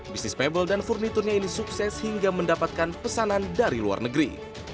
bisnis pabel dan furniturnya ini sukses hingga mendapatkan pesanan dari luar negeri